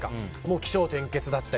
起承転結だったり。